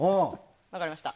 分かりました。